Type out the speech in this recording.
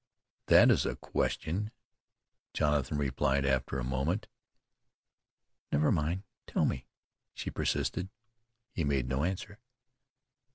"That is a question," Jonathan replied after a moment. "Never mind; tell me," she persisted. He made no answer.